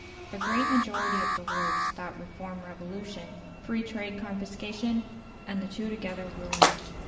The great majority of the Lords thought Reform revolution, Free trade confiscation, and the two together ruin.